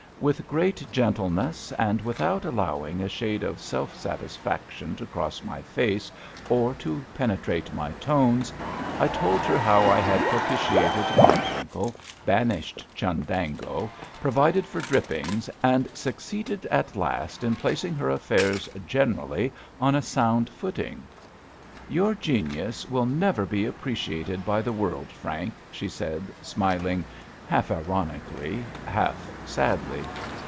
With great gentleness, and without allowing a shade of self satisfaction to cross my face or to penetrate my tones, I told her how I had propitiated Bodwinkle, banished Chundango, provided for Drippings, and succeeded at last in placing her affairs generally on a sound footing. "Your genius will never be appreciated by the world, Frank," she said, smiling half ironically, half sadly.